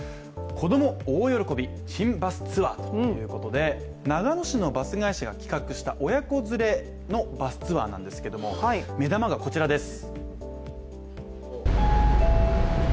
子供大喜び、珍バスツアーということで長野市のバス会社が企画した親子連れのバスツアーなんですけど目玉がこちらです。